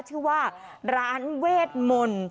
เชื่อว่าร้านเวทมล